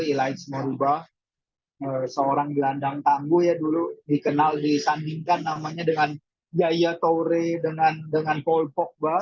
elias meruba seorang gelandang tangguh ya dulu dikenal disandingkan namanya dengan yaya toure dengan paul pogba